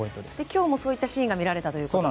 今日もそういったシーンが見られたということで。